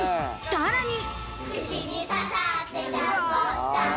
さらに。